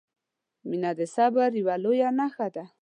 • مینه د صبر یوه لویه نښه ده.